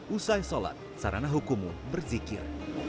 usai sholat sarana hukummu berzikir